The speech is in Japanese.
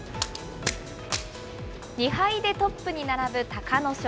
２敗でトップに並ぶ隆の勝。